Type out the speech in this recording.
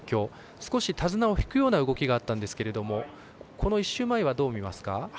少し手綱を引くような動きがあったんですけれどもこの１週前は、どう見ますか？